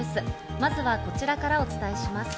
まずはこちらからお伝えします。